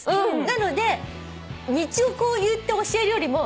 なので道をこう言って教えるよりも。